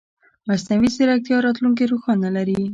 مصنوعي ځیرکتیا راتلونکې روښانه لري.